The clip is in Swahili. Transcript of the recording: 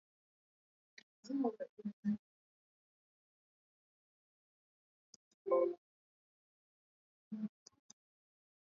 Hilo linawaweka karibu na mashambulizi ya karibuni ya anga ya Russia kwenye maeneo yaliyolenga magharibi mwa Ukraine